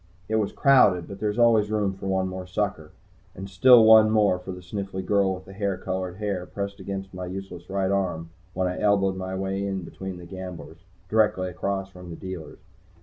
It was crowded, but there's always room for one more sucker. And still one more, for the sniffly girl with the hair colored hair pressed in against my useless right arm when I elbowed my way in between the gamblers, directly across from the dealers.